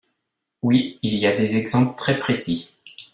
Oui, il y a des exemples très précis.